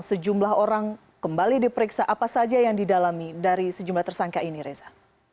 sejumlah orang kembali diperiksa apa saja yang didalami dari sejumlah tersangka ini reza